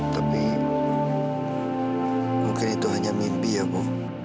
tapi mungkin itu hanya mimpi ya bu